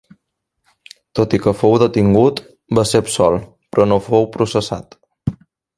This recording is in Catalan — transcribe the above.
Tot i que fou detingut, va ser absolt, però no fou processat.